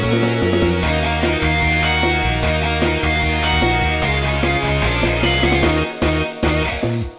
กลับไปกัน